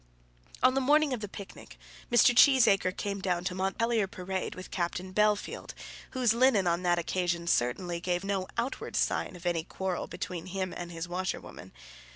On the morning of the picnic Mr. Cheesacre came down to Montpelier Parade with Captain Bellfield, whose linen on that occasion certainly gave no outward sign of any quarrel between him and his washerwoman.